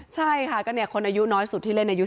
ใช่ค่ะก็เนี่ยคนอายุน้อยสุดที่เล่นอายุ